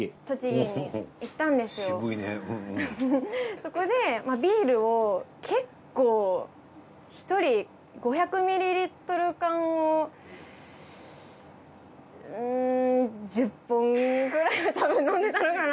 そこでビールを結構１人５００ｍｌ缶をうん１０本くらいはたぶん飲んでたのかな。